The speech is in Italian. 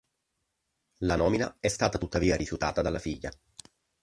La nomina è stata tuttavia rifiutata dalla figlia.